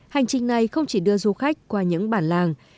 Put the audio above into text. hành trình này không chỉ đưa du khách qua những bản làng